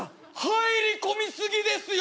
入り込み過ぎですよ！